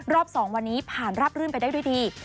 รอบสองวันนี้ผ่านรับรื่นไปได้ด้วยดี